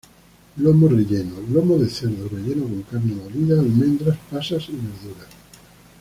Lomo relleno: lomo de cerdo, relleno con carne molida, almendras, pasas y verduras.